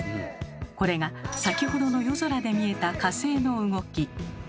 これが先ほどの夜空で見えた火星の動き。